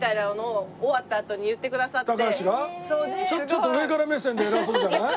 ちょっと上から目線で偉そうじゃない？